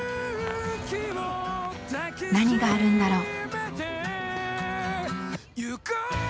何があるのだろう。